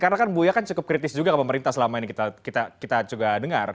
karena kan buya cukup kritis juga ke pemerintah selama ini kita juga dengar